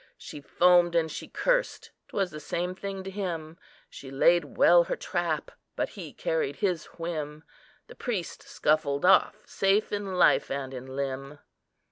"She foamed and she cursed—'twas the same thing to him; She laid well her trap; but he carried his whim;— The priest scuffled off, safe in life and in limb."